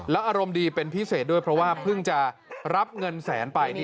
อารมณ์ดีเป็นพิเศษด้วยเพราะว่าเพิ่งจะรับเงินแสนไป